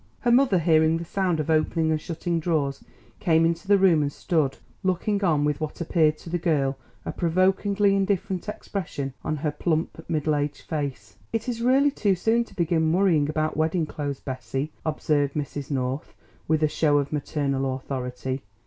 Her mother hearing the sound of opening and shutting drawers came into the room and stood looking on with what appeared to the girl a provokingly indifferent expression on her plump middle aged face. "It is really too soon to begin worrying about wedding clothes, Bessie," observed Mrs. North with a show of maternal authority.